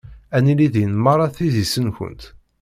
Ad nili din merra s idis-nkent.